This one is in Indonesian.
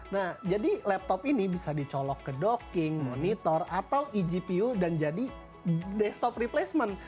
nah jadi laptop ini bisa dicolok ke docking monitor atau egpu dan jadi desktop replacement